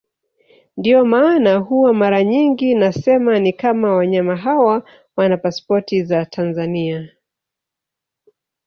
Ndio maana huwa mara nyingi nasema ni kama wanyama hawa wana pasipoti za Tanzania